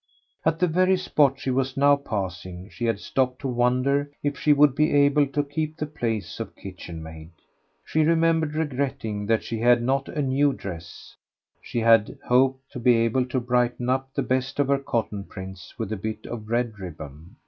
At the very spot she was now passing she had stopped to wonder if she would be able to keep the place of kitchen maid. She remembered regretting that she had not a new dress; she had hoped to be able to brighten up the best of her cotton prints with a bit of red ribbon.